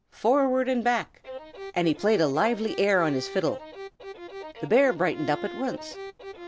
Forward and back!" and he played a lively air on his fiddle. The bear brightened up at once.